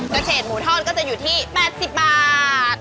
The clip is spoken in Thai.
กระเฉดหมูทอดก็จะอยู่ที่๘๐บาท